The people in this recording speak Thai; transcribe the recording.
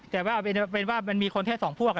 แต่ว่าเป็นว่ามันมีคนแค่๒พวก